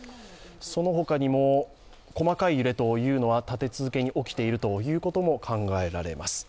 そのほかにも細かい揺れというのは立て続けに起きているのが確認されます。